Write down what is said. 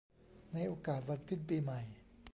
ในโอกาสวันขึ้นปีใหม่